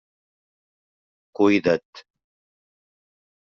Cuida't.